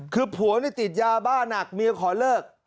คือผัวติดยาบ้าหนักเมียขอเลิก